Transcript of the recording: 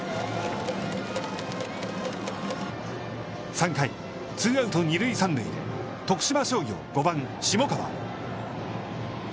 ３回、ツーアウト二塁三塁で徳島商業５番下川。